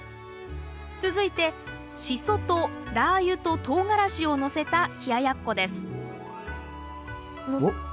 続いてシソとラー油とトウガラシをのせた冷ややっこですおっ